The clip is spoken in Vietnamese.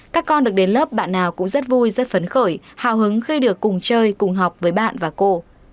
các con được đến lớp bạn nào cũng rất vui rất phấn khởi hào hứng khi được cùng chơi cùng học với bạn và cô